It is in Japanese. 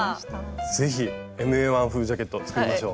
是非ＭＡ−１風ジャケット作りましょう。